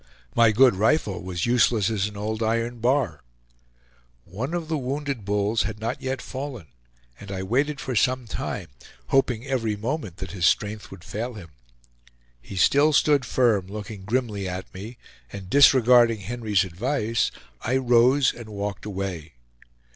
My good rifle was useless as an old iron bar. One of the wounded bulls had not yet fallen, and I waited for some time, hoping every moment that his strength would fail him. He still stood firm, looking grimly at me, and disregarding Henry's advice I rose and walked away.